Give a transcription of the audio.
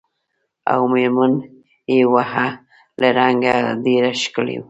او مېر من یې وه له رنګه ډېره ښکلې